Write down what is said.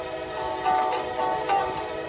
زه کولای سم کتابتون ته ولاړ سم،